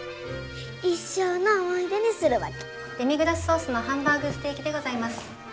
デミグラスソースのハンバーグステーキでございます。